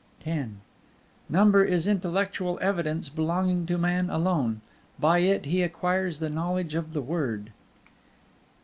X Number is intellectual evidence belonging to man alone; by it he acquires knowledge of the Word.